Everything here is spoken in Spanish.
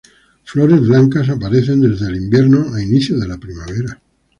Flores blancas aparecen desde el invierno a inicios de la primavera.